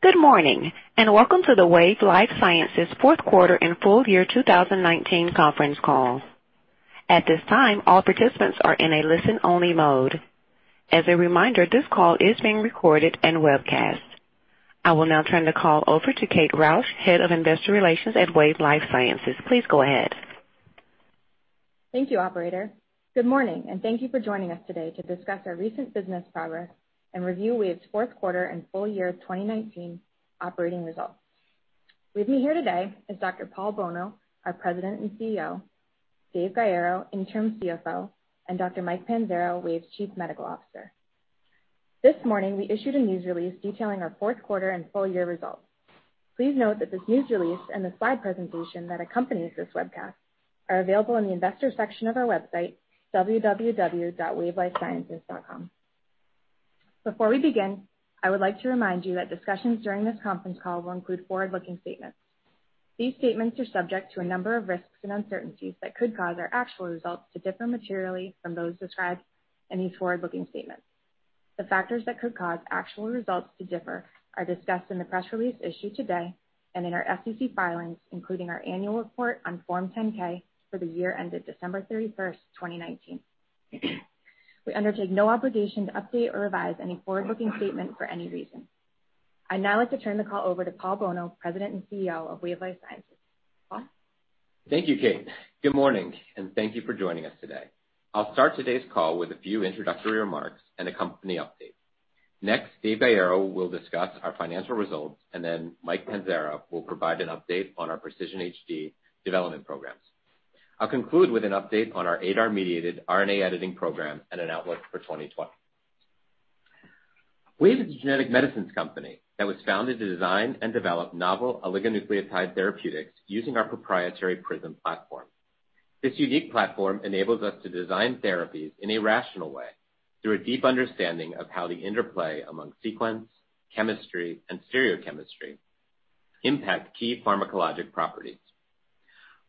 Good morning. Welcome to the Wave Life Sciences fourth quarter and full year 2019 conference call. At this time, all participants are in a listen-only mode. As a reminder, this call is being recorded and webcast. I will now turn the call over to Kate Roush, Head of Investor Relations at Wave Life Sciences. Please go ahead. Thank you, operator. Good morning. Thank you for joining us today to discuss our recent business progress and review Wave's fourth quarter and full year 2019 operating results. With me here today is Dr. Paul Bolno, our President and CEO, Dave Gaiero, Interim CFO, and Dr. Michael Panzara, Wave's Chief Medical Officer. This morning, we issued a news release detailing our fourth quarter and full year results. Please note that this news release and the slide presentation that accompanies this webcast are available in the Investors section of our website, www.wavelifesciences.com. Before we begin, I would like to remind you that discussions during this conference call will include forward-looking statements. These statements are subject to a number of risks and uncertainties that could cause our actual results to differ materially from those described in these forward-looking statements. The factors that could cause actual results to differ are discussed in the press release issued today and in our SEC filings, including our annual report on Form 10-K for the year ended December 31st, 2019. We undertake no obligation to update or revise any forward-looking statement for any reason. I'd now like to turn the call over to Paul Bolno, President and Chief Executive Officer of Wave Life Sciences. Paul? Thank you, Kate. Good morning, and thank you for joining us today. I'll start today's call with a few introductory remarks and a company update. Next, Dave Gaiero will discuss our financial results, and then Michael Panzara will provide an update on our PRECISION-HD development programs. I'll conclude with an update on our ADAR-mediated RNA editing program and an outlook for 2020. Wave is a genetic medicines company that was founded to design and develop novel oligonucleotide therapeutics using our proprietary PRISM platform. This unique platform enables us to design therapies in a rational way through a deep understanding of how the interplay among sequence, chemistry, and stereochemistry impact key pharmacologic properties.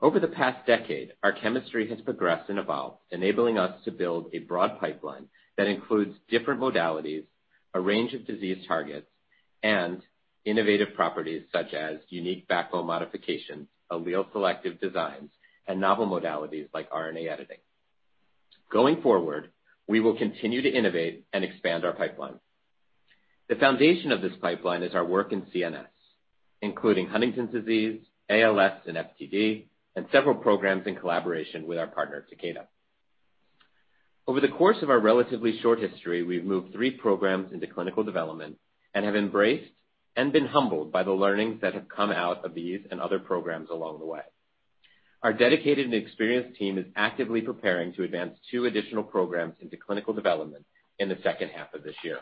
Over the past decade, our chemistry has progressed and evolved, enabling us to build a broad pipeline that includes different modalities, a range of disease targets, and innovative properties such as unique backbone modifications, allele-selective designs, and novel modalities like RNA editing. We will continue to innovate and expand our pipeline. The foundation of this pipeline is our work in CNS, including Huntington's disease, ALS, and FTD, and several programs in collaboration with our partner, Takeda. Over the course of our relatively short history, we've moved three programs into clinical development and have embraced and been humbled by the learnings that have come out of these and other programs along the way. Our dedicated and experienced team is actively preparing to advance 2 additional programs into clinical development in the second half of this year.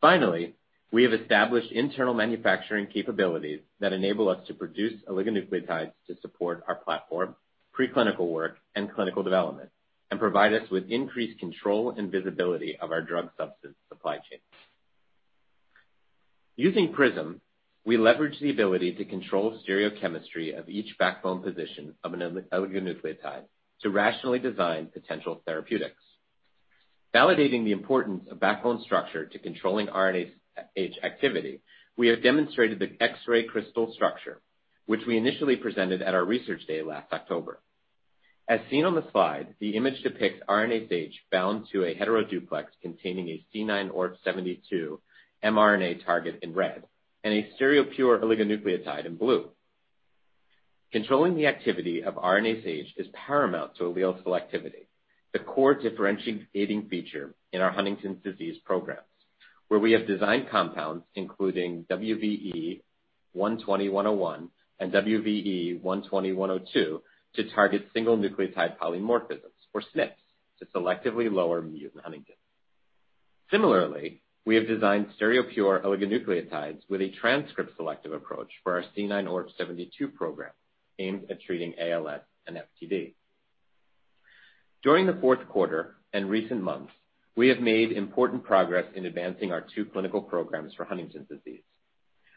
Finally, we have established internal manufacturing capabilities that enable us to produce oligonucleotides to support our platform, pre-clinical work, and clinical development, and provide us with increased control and visibility of our drug substance supply chains. Using PRISM, we leverage the ability to control stereochemistry of each backbone position of an oligonucleotide to rationally design potential therapeutics. Validating the importance of backbone structure to controlling RNase H activity, we have demonstrated the X-ray crystal structure, which we initially presented at our research day last October. As seen on the slide, the image depicts RNase H bound to a heteroduplex containing a C9orf72 mRNA target in red and a stereopure oligonucleotide in blue. Controlling the activity of RNase H is paramount to allele selectivity, the core differentiating feature in our Huntington's disease programs, where we have designed compounds including WVE-120101 and WVE-120102 to target single nucleotide polymorphisms, or SNPs, to selectively lower mutant huntingtin. Similarly, we have designed stereopure oligonucleotides with a transcript-selective approach for our C9orf72 program aimed at treating ALS and FTD. During the fourth quarter and recent months, we have made important progress in advancing our two clinical programs for Huntington's disease,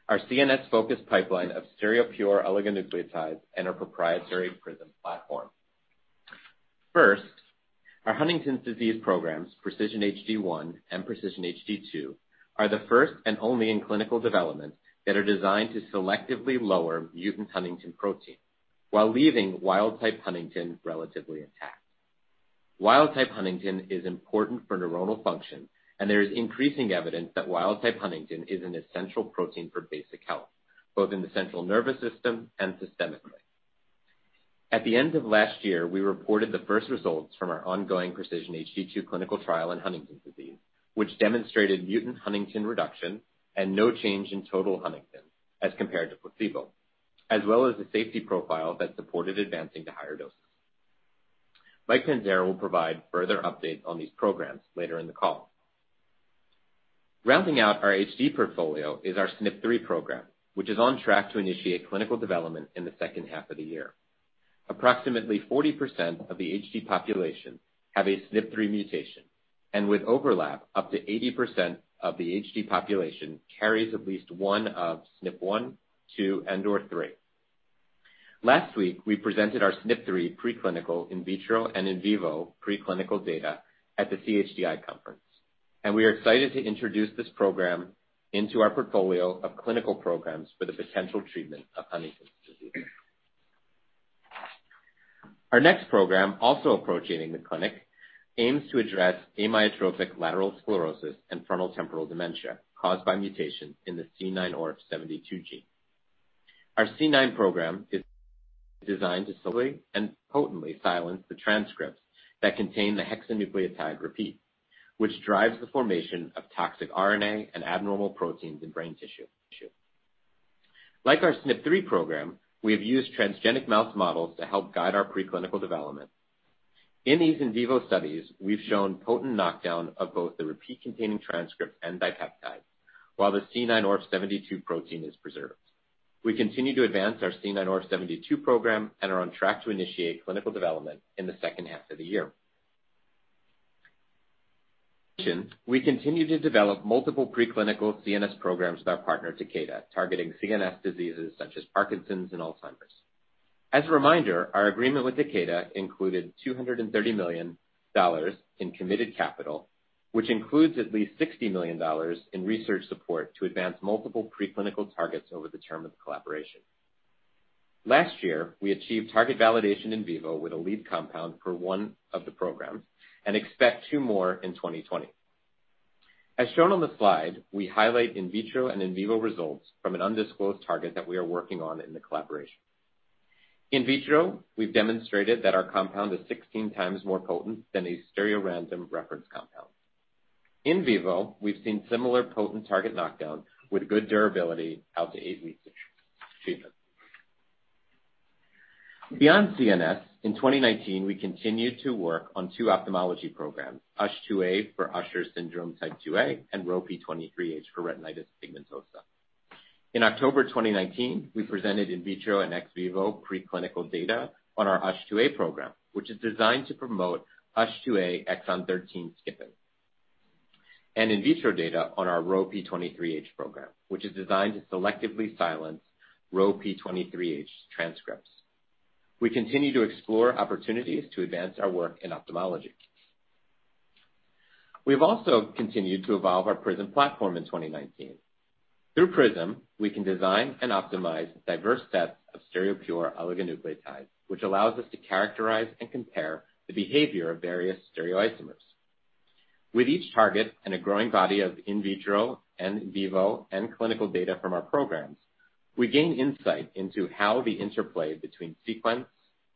our CNS-focused pipeline of stereopure oligonucleotides, and our proprietary PRISM platform. First, our Huntington's disease programs, PRECISION-HD1 and PRECISION-HD2, are the first and only in clinical development that are designed to selectively lower mutant huntingtin protein while leaving wild type huntingtin relatively intact. Wild type huntingtin is important for neuronal function, and there is increasing evidence that wild type huntingtin is an essential protein for basic health, both in the central nervous system and systemically. At the end of last year, we reported the first results from our ongoing PRECISION-HD2 clinical trial in Huntington's disease, which demonstrated mutant huntingtin reduction and no change in total huntingtin as compared to placebo, as well as a safety profile that supported advancing to higher doses. Michael Panzara will provide further updates on these programs later in the call. Rounding out our HD portfolio is our SNP3 program, which is on track to initiate clinical development in the second half of the year. Approximately 40% of the HD population have a SNP 3 mutation, and with overlap, up to 80% of the HD population carries at least one of SNP 1, 2, and/or 3. Last week, we presented our SNP 3 in vitro and in vivo preclinical data at the CHDI conference, and we are excited to introduce this program into our portfolio of clinical programs for the potential treatment of Huntington's disease. Our next program, also approaching the clinic, aims to address amyotrophic lateral sclerosis and frontotemporal dementia caused by mutation in the C9orf72 gene. Our C9 program is designed to solely and potently silence the transcripts that contain the hexanucleotide repeat, which drives the formation of toxic RNA and abnormal proteins in brain tissue. Like our SNP 3 program, we have used transgenic mouse models to help guide our preclinical development. In these in vivo studies, we've shown potent knockdown of both the repeat-containing transcripts and dipeptide, while the C9orf72 protein is preserved. We continue to advance our C9orf72 program and are on track to initiate clinical development in the second half of the year. We continue to develop multiple preclinical CNS programs with our partner, Takeda, targeting CNS diseases such as Parkinson's and Alzheimer's. As a reminder, our agreement with Takeda included $230 million in committed capital, which includes at least $60 million in research support to advance multiple preclinical targets over the term of the collaboration. Last year, we achieved target validation in vivo with a lead compound for one of the programs and expect two more in 2020. As shown on the slide, we highlight in vitro and in vivo results from an undisclosed target that we are working on in the collaboration. In vitro, we've demonstrated that our compound is 16 times more potent than a stereorandom reference compound. In vivo, we've seen similar potent target knockdown with good durability out to eight weeks of treatment. Beyond CNS, in 2019, we continued to work on two ophthalmology programs, USH2A for Usher syndrome type 2A and RHO P23H for retinitis pigmentosa. In October 2019, we presented in vitro and ex vivo preclinical data on our USH2A program, which is designed to promote USH2A exon 13 skipping, and in vitro data on our RHO P23H program, which is designed to selectively silence RHO P23H transcripts. We continue to explore opportunities to advance our work in ophthalmology. We've also continued to evolve our PRISM platform in 2019. Through PRISM, we can design and optimize diverse sets of stereopure oligonucleotides, which allows us to characterize and compare the behavior of various stereoisomers. With each target and a growing body of in vitro and vivo and clinical data from our programs, we gain insight into how the interplay between sequence,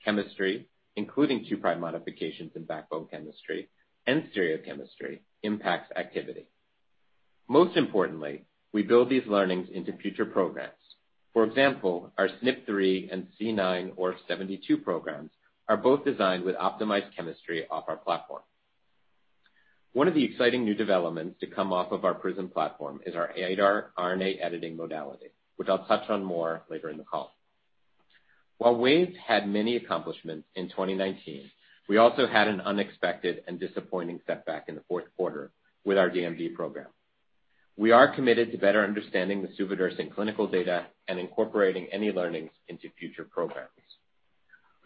chemistry, including 2'-prime modifications in backbone chemistry, and stereochemistry impacts activity. Most importantly, we build these learnings into future programs. For example, our SNP3 and C9orf72 programs are both designed with optimized chemistry off our platform. One of the exciting new developments to come off of our PRISM platform is our ADAR RNA editing modality, which I'll touch on more later in the call. While Wave had many accomplishments in 2019, we also had an unexpected and disappointing setback in the fourth quarter with our DMD program. We are committed to better understanding the suvodirsen clinical data and incorporating any learnings into future programs.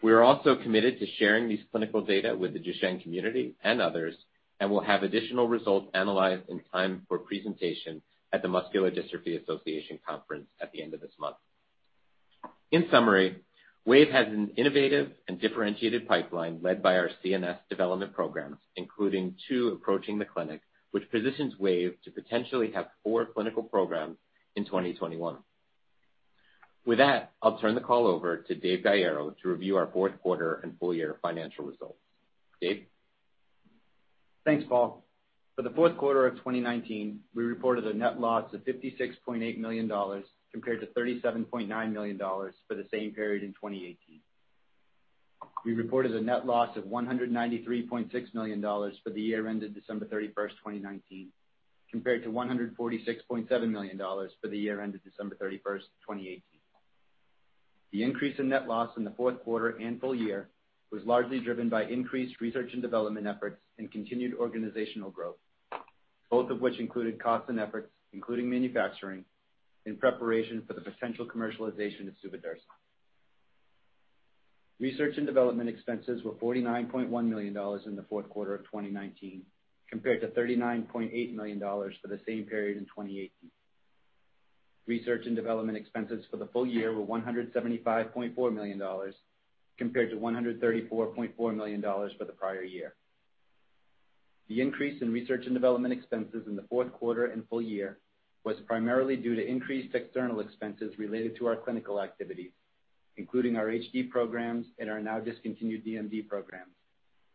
We are also committed to sharing these clinical data with the Duchenne community and others, and will have additional results analyzed in time for presentation at the Muscular Dystrophy Association Conference at the end of this month. In summary, Wave has an innovative and differentiated pipeline led by our CNS development programs, including two approaching the clinic, which positions Wave to potentially have four clinical programs in 2021. With that, I'll turn the call over to Dave Gaiero to review our fourth quarter and full-year financial results. Dave? Thanks, Paul. For the fourth quarter of 2019, we reported a net loss of $56.8 million compared to $37.9 million for the same period in 2018. We reported a net loss of $193.6 million for the year ended December 31st, 2019, compared to $146.7 million for the year ended December 31st, 2018. The increase in net loss in the fourth quarter and full year was largely driven by increased research and development efforts and continued organizational growth, both of which included costs and efforts, including manufacturing, in preparation for the potential commercialization of suvodirsen. Research and development expenses were $49.1 million in the fourth quarter of 2019, compared to $39.8 million for the same period in 2018. Research and development expenses for the full year were $175.4 million compared to $134.4 million for the prior year. The increase in research and development expenses in the fourth quarter and full year was primarily due to increased external expenses related to our clinical activities, including our HD programs and our now-discontinued DMD programs,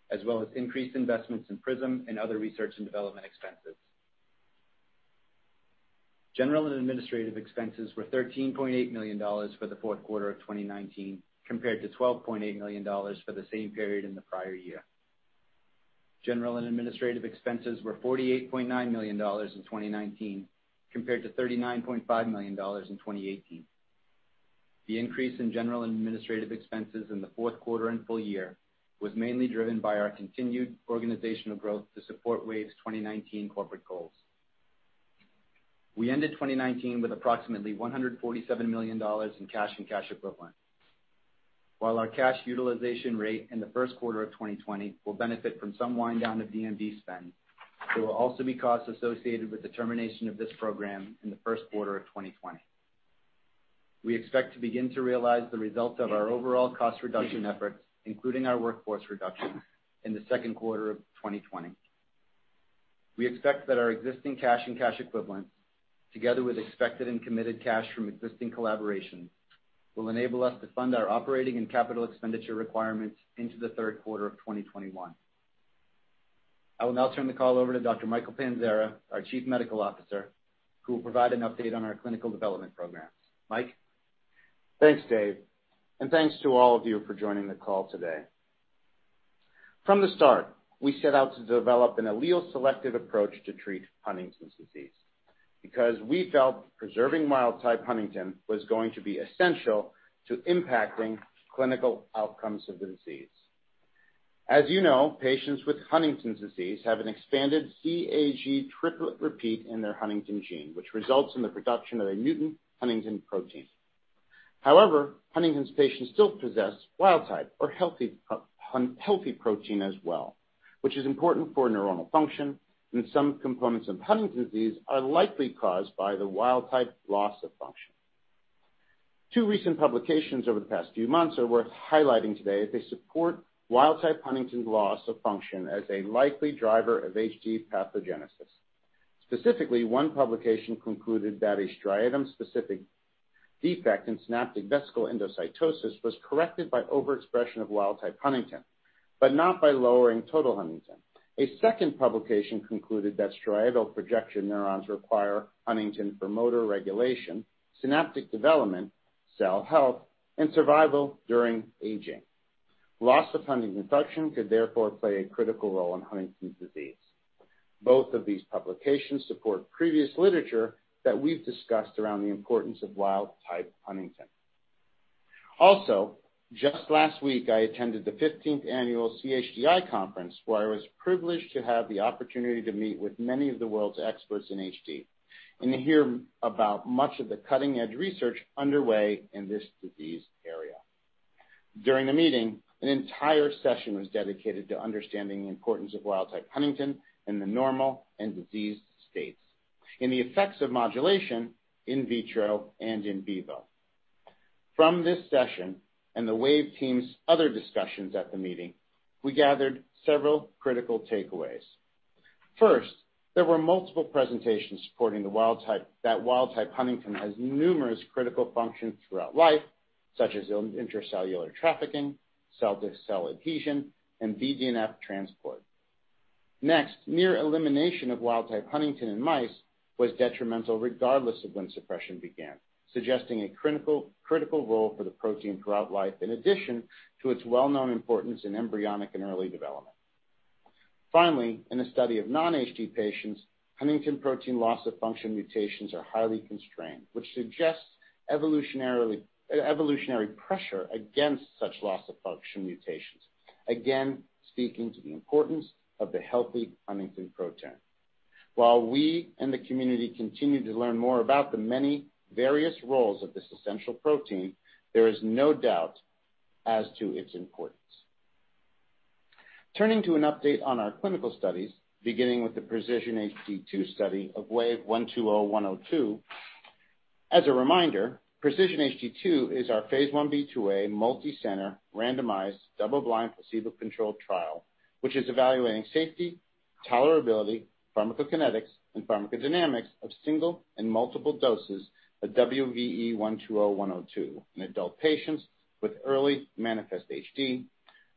as well as increased investments in PRISM and other research and development expenses. General and administrative expenses were $13.8 million for the fourth quarter of 2019, compared to $12.8 million for the same period in the prior year. General and administrative expenses were $48.9 million in 2019, compared to $39.5 million in 2018. The increase in general and administrative expenses in the fourth quarter and full year was mainly driven by our continued organizational growth to support Wave's 2019 corporate goals. We ended 2019 with approximately $147 million in cash and cash equivalents. While our cash utilization rate in the first quarter of 2020 will benefit from some wind down of DMD spend, there will also be costs associated with the termination of this program in the first quarter of 2020. We expect to begin to realize the results of our overall cost reduction efforts, including our workforce reduction, in the second quarter of 2020. We expect that our existing cash and cash equivalents, together with expected and committed cash from existing collaborations, will enable us to fund our operating and capital expenditure requirements into the third quarter of 2021. I will now turn the call over to Dr. Michael Panzara, our Chief Medical Officer, who will provide an update on our clinical development programs. Michael? Thanks, Dave. Thanks to all of you for joining the call today. From the start, we set out to develop an allele-selective approach to treat Huntington's disease, because we felt preserving wild type huntingtin was going to be essential to impacting clinical outcomes of the disease. As you know, patients with Huntington's disease have an expanded CAG triplet repeat in their huntingtin gene, which results in the production of a mutant huntingtin protein. However, Huntington's patients still possess wild type or healthy protein as well, which is important for neuronal function, and some components of Huntington's disease are likely caused by the wild type loss of function. Two recent publications over the past few months are worth highlighting today, as they support wild type huntingtin's loss of function as a likely driver of HD pathogenesis. Specifically, one publication concluded that a striatum-specific defect in synaptic vesicle endocytosis was corrected by overexpression of wild type huntingtin, but not by lowering total huntingtin. A second publication concluded that striatal projection neurons require huntingtin for motor regulation, synaptic development, cell health, and survival during aging. Loss of huntingtin function could therefore play a critical role in Huntington's disease. Both of these publications support previous literature that we've discussed around the importance of wild type huntingtin. Just last week, I attended the 15th annual CHDI conference, where I was privileged to have the opportunity to meet with many of the world's experts in HD and to hear about much of the cutting-edge research underway in this disease area. During the meeting, an entire session was dedicated to understanding the importance of wild type huntingtin in the normal and diseased states, and the effects of modulation in vitro and in vivo. From this session, and the Wave team's other discussions at the meeting, we gathered several critical takeaways. First, there were multiple presentations supporting that wild type huntingtin has numerous critical functions throughout life, such as intracellular trafficking, cell-to-cell adhesion, and BDNF transport. Next, near elimination of wild type huntingtin in mice was detrimental regardless of when suppression began, suggesting a critical role for the protein throughout life, in addition to its well-known importance in embryonic and early development. In a study of non-HD patients, huntingtin protein loss of function mutations are highly constrained, which suggests evolutionary pressure against such loss of function mutations. Again, speaking to the importance of the healthy huntingtin protein. While we and the community continue to learn more about the many various roles of this essential protein, there is no doubt as to its importance. Turning to an update on our clinical studies, beginning with the PRECISION-HD2 study of WVE-120102. As a reminder, PRECISION-HD2 is our phase I-B/II-A multi-center, randomized, double-blind, placebo-controlled trial, which is evaluating safety, tolerability, pharmacokinetics, and pharmacodynamics of single and multiple doses of WVE-120102 in adult patients with early manifest HD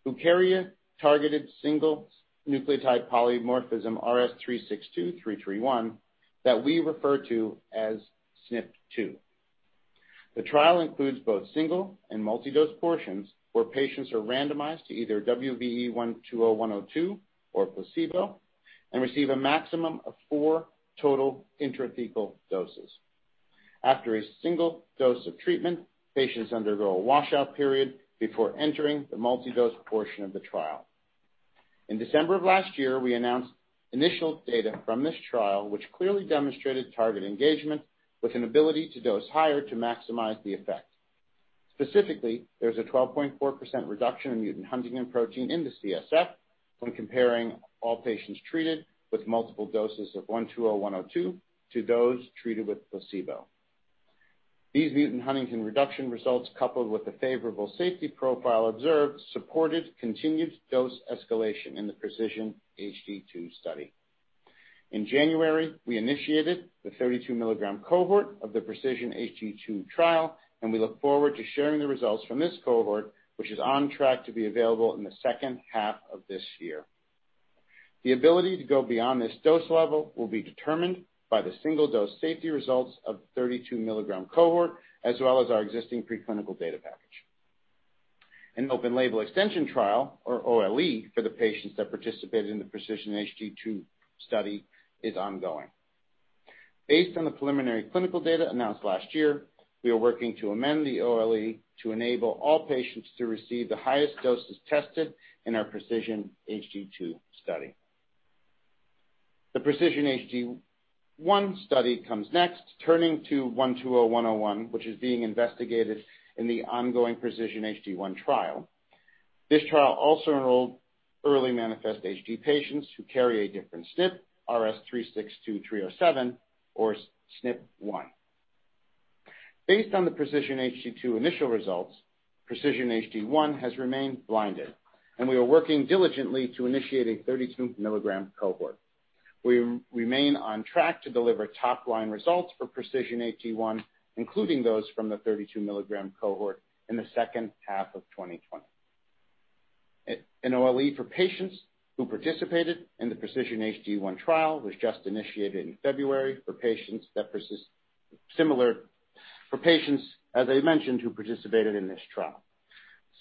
who carry a targeted single nucleotide polymorphism rs362331 that we refer to as SNP2. The trial includes both single and multi-dose portions, where patients are randomized to either WVE-120102 or placebo and receive a maximum of four total intrathecal doses. After a single dose of treatment, patients undergo a washout period before entering the multi-dose portion of the trial. In December of last year, we announced initial data from this trial, which clearly demonstrated target engagement with an ability to dose higher to maximize the effect. Specifically, there was a 12.4% reduction in mutant huntingtin protein in the CSF when comparing all patients treated with multiple doses of WVE-120102 to those treated with placebo. These mutant huntingtin reduction results, coupled with the favorable safety profile observed, supported continued dose escalation in the PRECISION-HD2 study. In January, we initiated the 32 milligram cohort of the PRECISION-HD2 trial, and we look forward to sharing the results from this cohort, which is on track to be available in the second half of this year. The ability to go beyond this dose level will be determined by the single dose safety results of the 32 milligram cohort, as well as our existing preclinical data package. An open label extension trial, or OLE, for the patients that participated in the PRECISION-HD2 study is ongoing. Based on the preliminary clinical data announced last year, we are working to amend the OLE to enable all patients to receive the highest doses tested in our PRECISION-HD2 study. The PRECISION-HD1 study comes next, turning to 120101, which is being investigated in the ongoing PRECISION-HD1 trial. This trial also enrolled early manifest HD patients who carry a different SNP, rs362307, or SNP1. Based on the PRECISION-HD2 initial results, PRECISION-HD1 has remained blinded, and we are working diligently to initiate a 32-milligram cohort. We remain on track to deliver top-line results for PRECISION-HD1, including those from the 32-milligram cohort in the second half of 2020. An OLE for patients who participated in the PRECISION-HD1 trial was just initiated in February for patients, as I mentioned, who participated in this trial.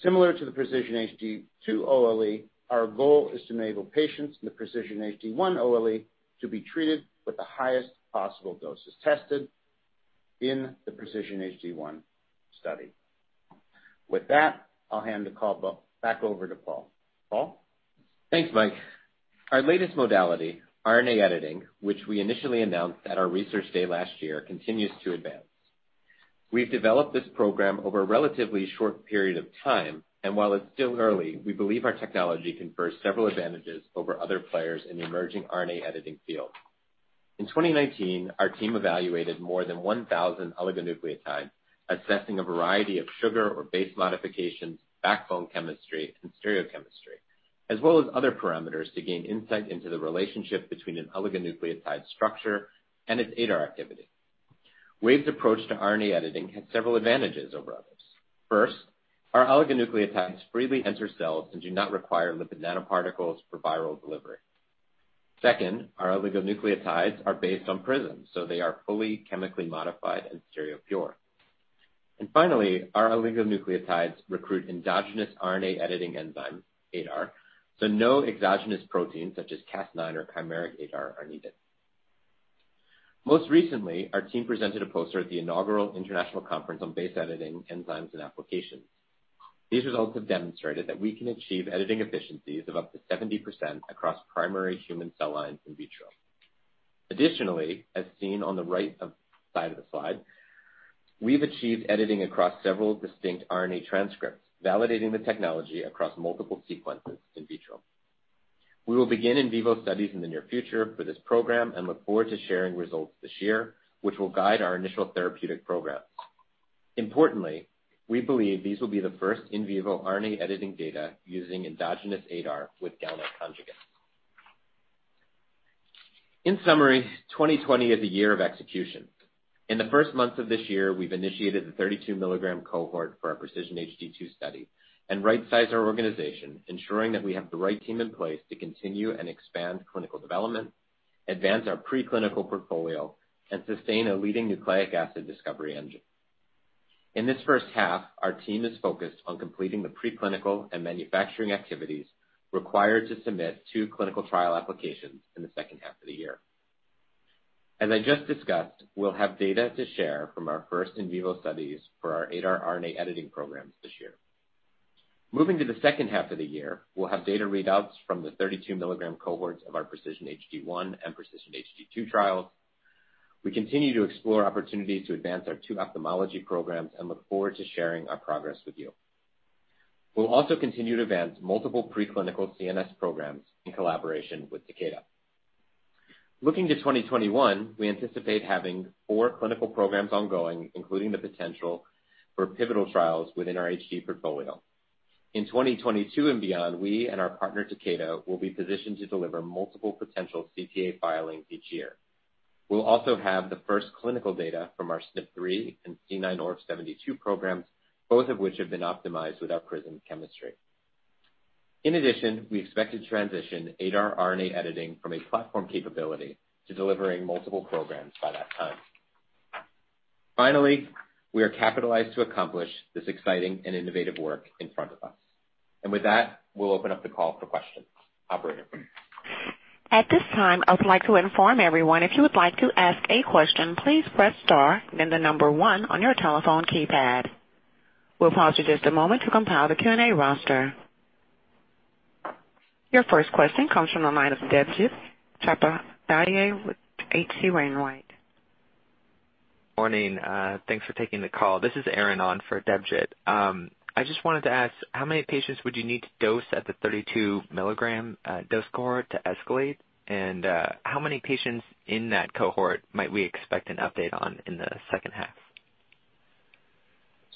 Similar to the PRECISION-HD2 OLE, our goal is to enable patients in the PRECISION-HD1 OLE to be treated with the highest possible doses tested in the PRECISION-HD1 study. With that, I'll hand the call back over to Paul. Paul? Thanks, Michael. Our latest modality, RNA editing, which we initially announced at our research day last year, continues to advance. We've developed this program over a relatively short period of time, while it's still early, we believe our technology confers several advantages over other players in the emerging RNA editing field. In 2019, our team evaluated more than 1,000 oligonucleotides, assessing a variety of sugar or base modifications, backbone chemistry, and stereochemistry, as well as other parameters to gain insight into the relationship between an oligonucleotide structure and its ADAR activity. Wave's approach to RNA editing has several advantages over others. First, our oligonucleotides freely enter cells and do not require lipid nanoparticles for viral delivery. Second, our oligonucleotides are based on PRISM, so they are fully chemically modified and stereo pure. Finally, our oligonucleotides recruit endogenous RNA editing enzyme, ADAR, so no exogenous proteins such as Cas9 or chimeric ADAR are needed. Most recently, our team presented a poster at the inaugural International Conference on Base Editing, Enzymes and Applications. These results have demonstrated that we can achieve editing efficiencies of up to 70% across primary human cell lines in vitro. Additionally, as seen on the right side of the slide, we've achieved editing across several distinct RNA transcripts, validating the technology across multiple sequences in vitro. We will begin in vivo studies in the near future for this program and look forward to sharing results this year, which will guide our initial therapeutic programs. Importantly, we believe these will be the first in vivo RNA editing data using endogenous ADAR with GalNAc conjugates. In summary, 2020 is a year of execution. In the first months of this year, we've initiated the 32-milligram cohort for our PRECISION-HD2 study and right-sized our organization, ensuring that we have the right team in place to continue and expand clinical development, advance our preclinical portfolio, and sustain a leading nucleic acid discovery engine. In this first half, our team is focused on completing the preclinical and manufacturing activities required to submit two clinical trial applications in the second half of the year. As I just discussed, we'll have data to share from our first in vivo studies for our ADAR RNA editing programs this year. Moving to the second half of the year, we'll have data readouts from the 32-milligram cohorts of our PRECISION-HD1 and PRECISION-HD2 trials. We continue to explore opportunities to advance our two ophthalmology programs and look forward to sharing our progress with you. We'll also continue to advance multiple preclinical CNS programs in collaboration with Takeda. Looking to 2021, we anticipate having four clinical programs ongoing, including the potential for pivotal trials within our HD portfolio. In 2022 and beyond, we and our partner, Takeda, will be positioned to deliver multiple potential CTA filings each year. We'll also have the first clinical data from our SNP3 and C9orf72 programs, both of which have been optimized with our PRISM chemistry. In addition, we expect to transition ADAR RNA editing from a platform capability to delivering multiple programs by that time. Finally, we are capitalized to accomplish this exciting and innovative work in front of us. With that, we'll open up the call for questions. Operator? At this time, I would like to inform everyone if you would like to ask a question, please press star, then the number 1 on your telephone keypad. We'll pause for just a moment to compile the Q&A roster. Your first question comes from the line of Debjit Chowdhury with H.C. Wainwright. Morning. Thanks for taking the call. This is Aaron on for Debjit. I just wanted to ask, how many patients would you need to dose at the 32-milligram dose cohort to escalate? How many patients in that cohort might we expect an update on in the second half?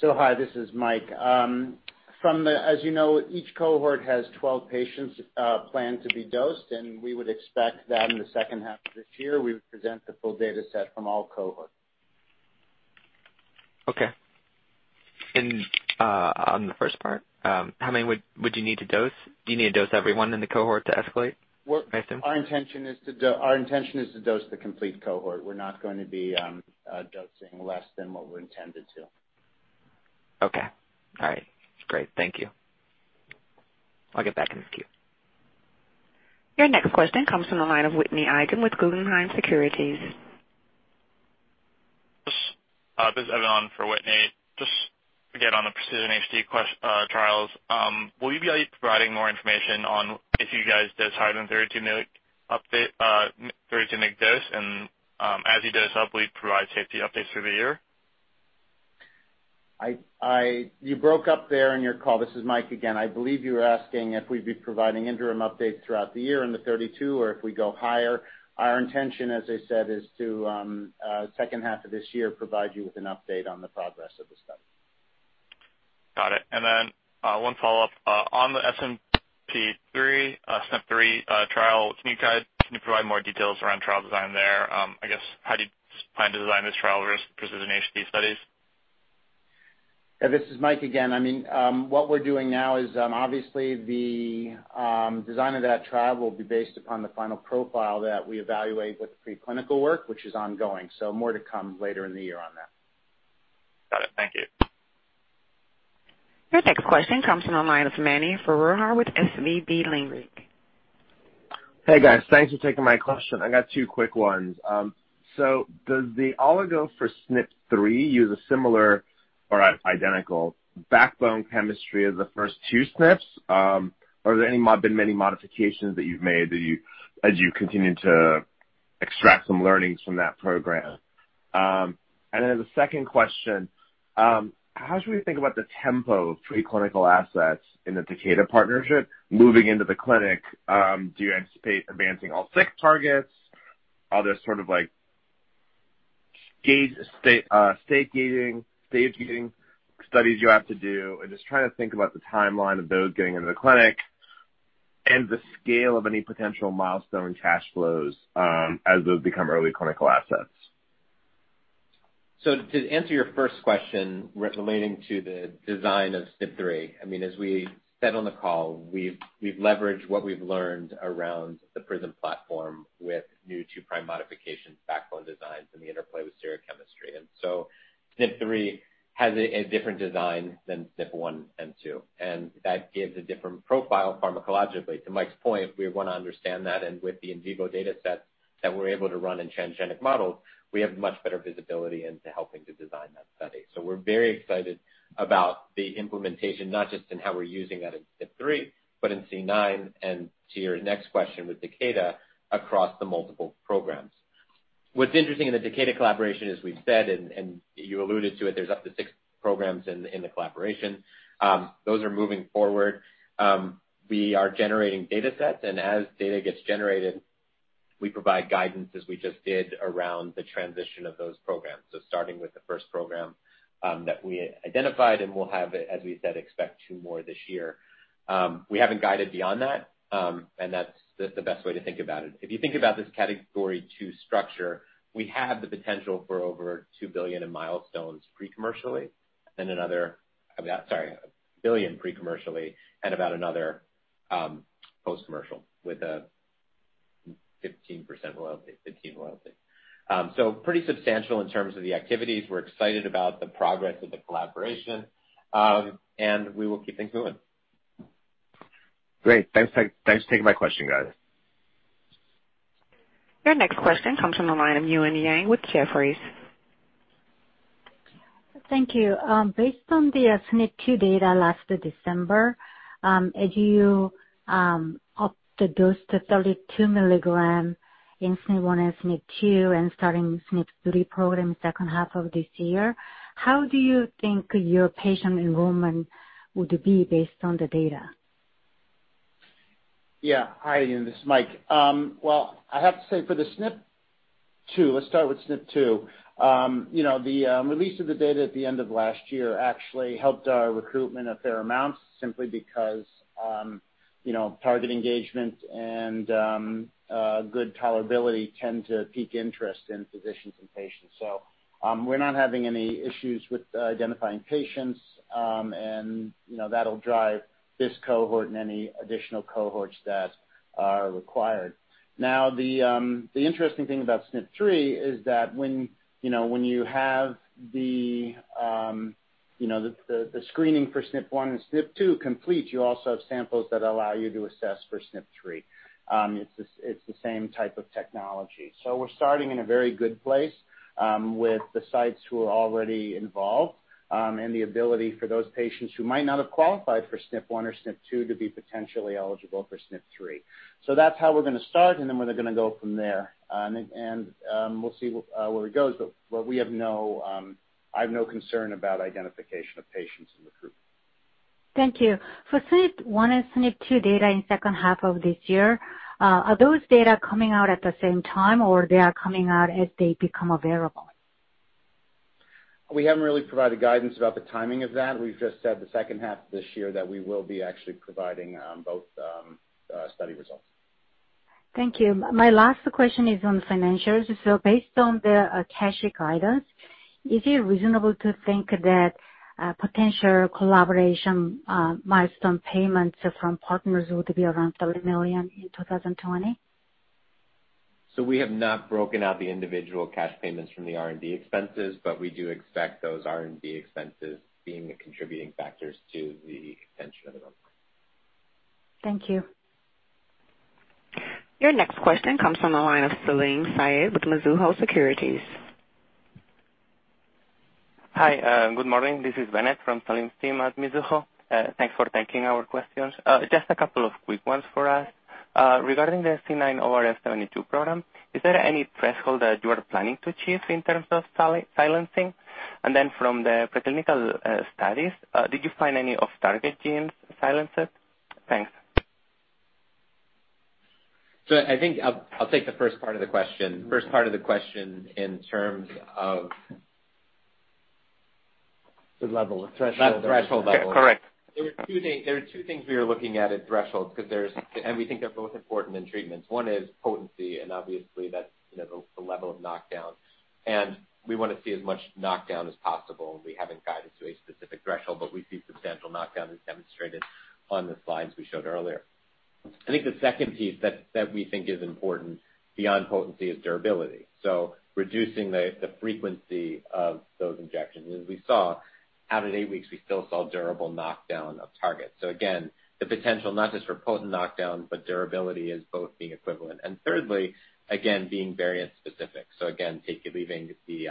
Hi, this is Michael. As you know, each cohort has 12 patients planned to be dosed, and we would expect that in the second half of this year, we would present the full data set from all cohorts. Okay. On the first part how many would you need to dose? Do you need to dose everyone in the cohort to escalate, I assume? Our intention is to dose the complete cohort. We're not going to be dosing less than what we intended to. Okay. All right. That's great. Thank you. I'll get back in this queue. Your next question comes from the line of Whitney Eigen with Guggenheim Securities. This is Evan for Whitney. Just again on the PRECISION-HD trials, will you be providing more information on if you guys dose higher than 32 mg dose, and as you dose up, will you provide safety updates through the year? You broke up there in your call. This is Michael again. I believe you were asking if we'd be providing interim updates throughout the year in the 32 or if we go higher. Our intention, as I said, is to, second half of this year, provide you with an update on the progress of the study. Got it. One follow-up. On the SNP-3 trial, can you provide more details around trial design there? How do you plan to design this trial versus PRECISION-HD studies? Yeah, this is Michael again. What we're doing now is, obviously, the design of that trial will be based upon the final profile that we evaluate with the preclinical work, which is ongoing. More to come later in the year on that. Got it. Thank you. Your next question comes from the line of Mani Foroohar with SVB Leerink. Hey, guys. Thanks for taking my question. I got two quick ones. Does the oligo for SNP 3 use a similar or identical backbone chemistry as the first two SNPs? Have there been many modifications that you've made as you continue to extract some learnings from that program? The second question, how should we think about the tempo of preclinical assets in the Takeda partnership moving into the clinic? Do you anticipate advancing all six targets? Are there sort of stage-gating studies you have to do? I'm just trying to think about the timeline of those getting into the clinic and the scale of any potential milestone cash flows as those become early clinical assets. To answer your first question relating to the design of SNP 3, as we said on the call, we've leveraged what we've learned around the PRISM platform with new two-prime modification backbone designs and the interplay with stereochemistry. SNP 3 has a different design than SNP 1 and 2, and that gives a different profile pharmacologically. To Michael's point, we want to understand that. With the in vivo data sets that we're able to run in transgenic models, we have much better visibility into helping to design that study. We're very excited about the implementation, not just in how we're using that in SNP-3, but in C9, and to your next question with Takeda, across the multiple programs. What's interesting in the Takeda collaboration, as we've said, and you alluded to it, there's up to six programs in the collaboration. Those are moving forward. We are generating data sets. As data gets generated, we provide guidance as we just did around the transition of those programs. Starting with the first program that we identified, we'll have, as we said, expect two more this year. We haven't guided beyond that. That's the best way to think about it. If you think about this Category 2 structure, we have the potential for $1 billion in milestones pre-commercially and about another post-commercial with a 15% loyalty. Pretty substantial in terms of the activities. We're excited about the progress of the collaboration. We will keep things moving. Great. Thanks for taking my question, guys. Your next question comes from the line of Yun Yang with Canaccord Genuity. Thank you. Based on the SNP 2 data last December, as you up the dose to 32 mg in SNP-1 and SNP 2 and starting SNP-3 program second half of this year, how do you think your patient enrollment would be based on the data? Hi, Yun. This is Michael. Well, I have to say for the SNP 2. Let's start with SNP 2. The release of the data at the end of last year actually helped our recruitment a fair amount simply because target engagement and good tolerability tend to pique interest in physicians and patients. We're not having any issues with identifying patients, and that'll drive this cohort and any additional cohorts that are required. The interesting thing about SNP 3 is that when you have the screening for SNP 1 and SNP 2 complete, you also have samples that allow you to assess for SNP 3. It's the same type of technology. We're starting in a very good place with the sites who are already involved and the ability for those patients who might not have qualified for SNP 1 or SNP 2 to be potentially eligible for SNP 3. That's how we're going to start, and then we're going to go from there. We'll see where it goes. I have no concern about identification of patients in the group. Thank you. For SNP-1 and SNP 2 data in second half of this year, are those data coming out at the same time, or they are coming out as they become available? We haven't really provided guidance about the timing of that. We've just said the second half of this year that we will be actually providing both study results. Thank you. My last question is on financials. Based on the cash guidance, is it reasonable to think that potential collaboration milestone payments from partners would be around $30 million in 2020? We have not broken out the individual cash payments from the R&D expenses, we do expect those R&D expenses being the contributing factors to the continuation of the. Thank you. Your next question comes from the line of Salim Syed with Mizuho Securities. Hi, good morning. This is Bennett from Salim's team at Mizuho. Thanks for taking our questions. Just a couple of quick ones for us. Regarding the C9orf72 program, is there any threshold that you are planning to achieve in terms of silencing? Then from the preclinical studies, did you find any off-target genes silenced? Thanks. I think I'll take the first part of the question. The level, the threshold. That threshold level. Correct. There are two things we are looking at in thresholds. We think they're both important in treatments. One is potency. Obviously that's the level of knockdown. We want to see as much knockdown as possible. We haven't guided to a specific threshold. We see substantial knockdown as demonstrated on the slides we showed earlier. I think the second piece that we think is important beyond potency is durability. Reducing the frequency of those injections. As we saw, out at eight weeks, we still saw durable knockdown of targets. Again, the potential, not just for potent knockdown, but durability as both being equivalent. Thirdly, again, being variant specific. Again, leaving the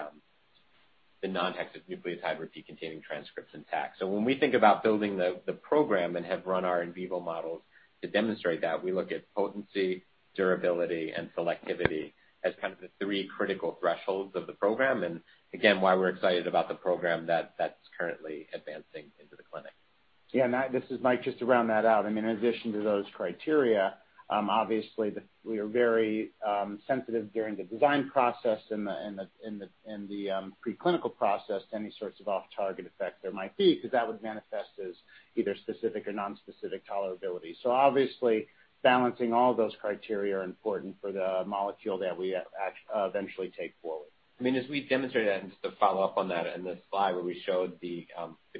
non-hexanucleotide repeat-containing transcripts intact. When we think about building the program and have run our in vivo models to demonstrate that, we look at potency, durability, and selectivity as kind of the three critical thresholds of the program. Again, why we're excited about the program that's currently advancing into the clinic. Yeah. This is Michael. Just to round that out, in addition to those criteria, obviously we are very sensitive during the design process and the preclinical process to any sorts of off-target effects there might be, because that would manifest as either specific or non-specific tolerability. Obviously, balancing all those criteria are important for the molecule that we eventually take forward. As we demonstrated, just to follow up on that, in the slide where we showed the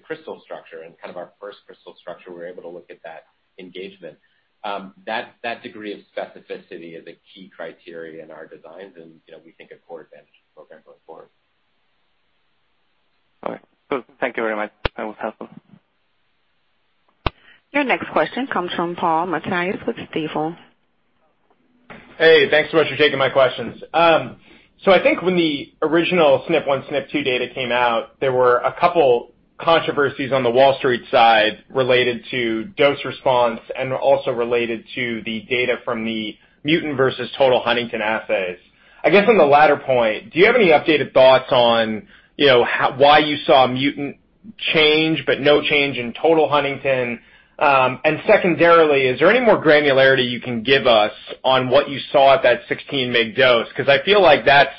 crystal structure and kind of our first crystal structure, we were able to look at that engagement. That degree of specificity is a key criteria in our designs and we think a core advantage of the program going forward. Okay. Thank you very much. That was helpful. Your next question comes from Paul Matteis with Stifel. Hey, thanks so much for taking my questions. I think when the original SNP 1, SNP 2 data came out, there were a couple controversies on the Wall Street side related to dose response and also related to the data from the mutant versus total huntingtin assays. I guess on the latter point, do you have any updated thoughts on why you saw a mutant change, but no change in total huntingtin? Secondarily, is there any more granularity you can give us on what you saw at that 16 mg dose? I feel like that's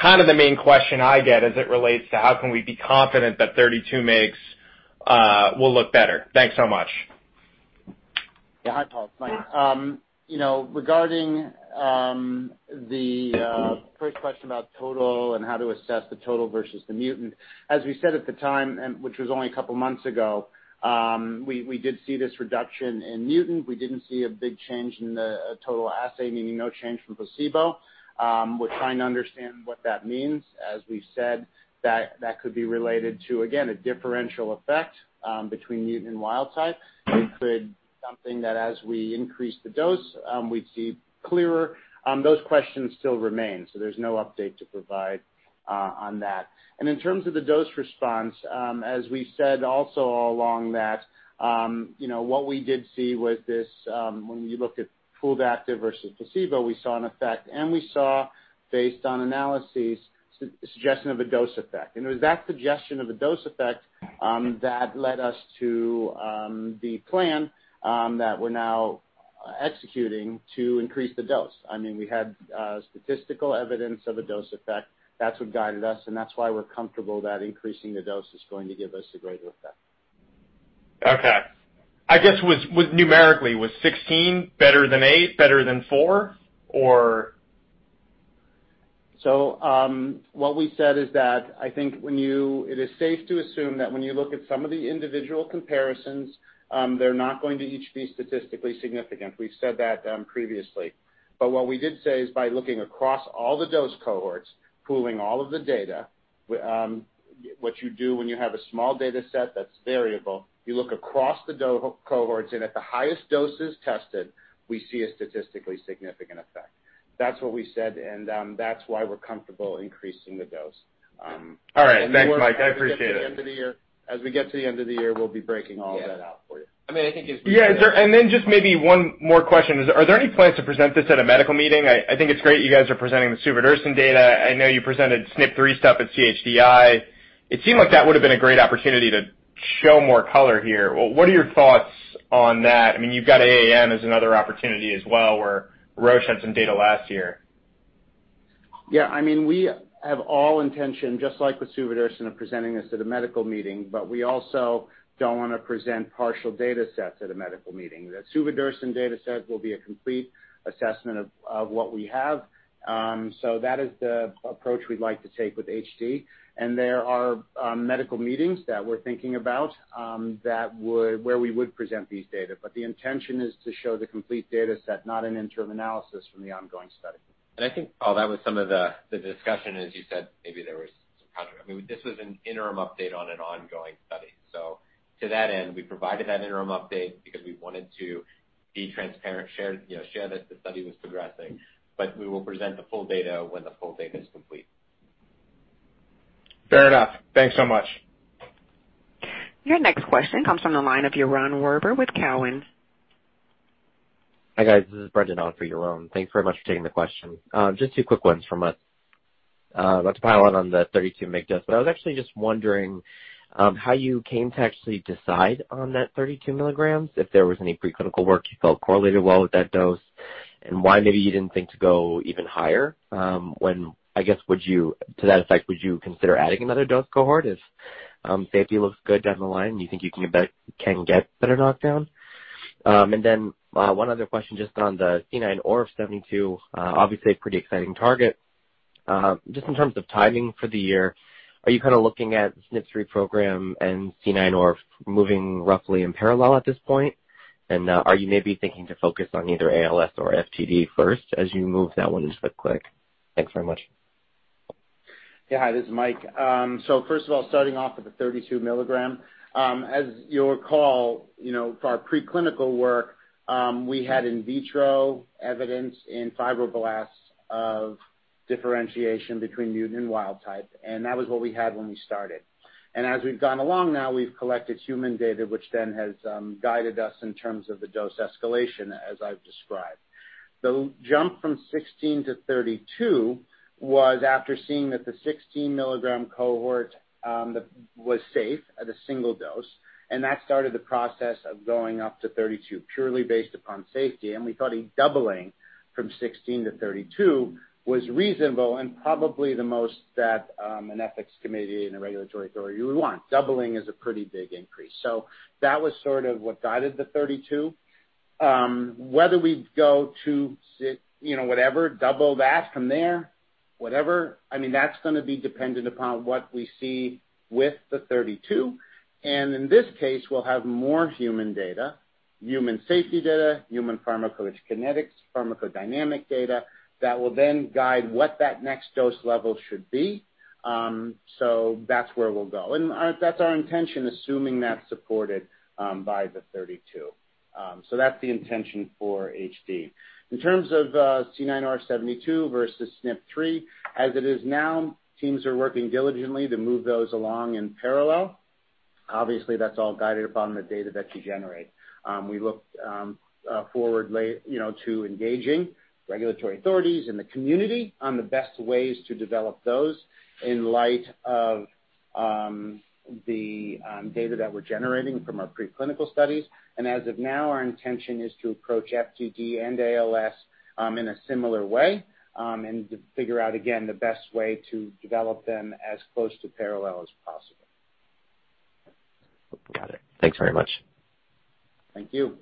kind of the main question I get as it relates to how can we be confident that 32 mgs will look better. Thanks so much. Yeah. Hi, Paul. Michael. Regarding the first question about total and how to assess the total versus the mutant, as we said at the time, which was only a couple of months ago, we did see this reduction in mutant. We didn't see a big change in the total assay, meaning no change from placebo. We're trying to understand what that means. As we've said, that could be related to, again, a differential effect between mutant and wild type. It could be something that as we increase the dose, we'd see clearer. Those questions still remain, so there's no update to provide on that. In terms of the dose response, as we said also all along that, what we did see was this, when you looked at pooled active versus placebo, we saw an effect, and we saw, based on analyses, suggestion of a dose effect. It was that suggestion of a dose effect that led us to the plan that we're now executing to increase the dose. We had statistical evidence of a dose effect. That's what guided us, and that's why we're comfortable that increasing the dose is going to give us a greater effect. Okay. I guess numerically, was 16 better than eight, better than four, or? What we said is that it is safe to assume that when you look at some of the individual comparisons, they're not going to each be statistically significant. We've said that previously. What we did say is by looking across all the dose cohorts, pooling all of the data, what you do when you have a small data set that's variable, you look across the cohorts and at the highest doses tested, we see a statistically significant effect. That's what we said, and that's why we're comfortable increasing the dose. All right. Thanks, Michael. I appreciate it. As we get to the end of the year, we'll be breaking all of that out for you. I think as we- Yeah. Then just maybe one more question. Are there any plans to present this at a medical meeting? I think it's great you guys are presenting the suvodirsen data. I know you presented SNP three stuff at CHDI. It seemed like that would have been a great opportunity to show more color here. What are your thoughts on that? You've got AAN as another opportunity as well, where Roche had some data last year. Yeah. We have all intention, just like with suvodirsen, of presenting this at a medical meeting, but we also don't want to present partial datasets at a medical meeting. The suvorexant dataset will be a complete assessment of what we have. That is the approach we'd like to take with HD. There are medical meetings that we're thinking about where we would present these data. The intention is to show the complete dataset, not an interim analysis from the ongoing study. I think, Paul, that was some of the discussion, as you said, maybe there was some context. This was an interim update on an ongoing study. To that end, we provided that interim update because we wanted to be transparent, share that the study was progressing. We will present the full data when the full data is complete. Fair enough. Thanks so much. Your next question comes from the line of Yaron Werber with Cowen. Hi, guys. This is Brendan on for Yaron. Thanks very much for taking the question. Just two quick ones from us. Let's pile on the 32 mg dose, but I was actually just wondering how you came to actually decide on that 32 milligrams, if there was any preclinical work you felt correlated well with that dose, and why maybe you didn't think to go even higher. To that effect, would you consider adding another dose cohort if safety looks good down the line, and you think you can get better knockdown? One other question just on the C9orf72. Obviously a pretty exciting target. Just in terms of timing for the year, are you looking at the SNIP3 program and C9orf moving roughly in parallel at this point? Are you maybe thinking to focus on either ALS or FTD first as you move that one into the clinic? Thanks very much. Hi, this is Michael. First of all, starting off with the 32 milligrams. As you'll recall, for our preclinical work, we had in vitro evidence in fibroblasts of differentiation between mutant and wild type, and that was what we had when we started. As we've gone along now, we've collected human data, which has guided us in terms of the dose escalation, as I've described. The jump from 16 to 32 was after seeing that the 16-milligram cohort was safe at a single dose, and that started the process of going up to 32 purely based upon safety. We thought a doubling from 16 to 32 was reasonable and probably the most that an ethics committee and a regulatory authority would want. Doubling is a pretty big increase. That was sort of what guided the 32. Whether we go to double that from there, that's going to be dependent upon what we see with the 32. In this case, we'll have more human data, human safety data, human pharmacokinetics, pharmacodynamic data, that will then guide what that next dose level should be. That's where we'll go. That's our intention, assuming that's supported by the 32. That's the intention for HD. In terms of C9orf72 versus SNP 3, as it is now, teams are working diligently to move those along in parallel. Obviously, that's all guided upon the data that you generate. We look forward to engaging regulatory authorities and the community on the best ways to develop those in light of the data that we're generating from our preclinical studies. As of now, our intention is to approach FTD and ALS in a similar way, and to figure out, again, the best way to develop them as close to parallel as possible. Got it. Thanks very much. Thank you.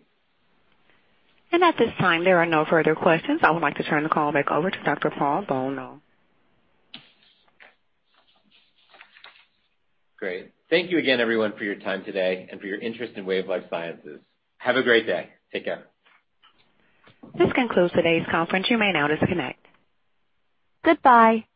At this time, there are no further questions. I would like to turn the call back over to Dr. Paul Bolno. Great. Thank you again, everyone, for your time today and for your interest in Wave Life Sciences. Have a great day. Take care. This concludes today's conference. You may now disconnect. Goodbye.